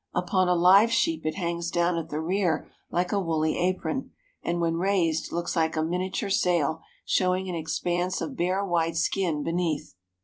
Upon a live sheep it hangs down at the rear like a woolly apron, and when raised looks like a miniature sail, showing an expanse of bare white skin beneath.